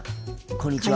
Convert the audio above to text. こんにちは。